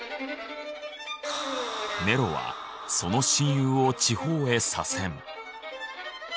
ネロはその親友を地方へ左遷。